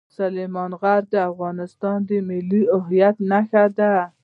سلیمان غر د افغانستان د ملي هویت نښه ده.